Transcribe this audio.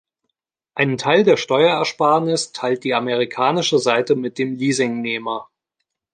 Einen Teil der Steuerersparnis teilt die amerikanische Seite mit dem Leasingnehmer.